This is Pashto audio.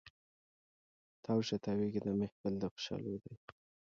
تاو شه تاویږه دا محفل د خوشحالو دی